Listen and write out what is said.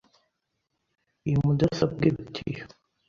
Iyi mudasobwa iruta iyo .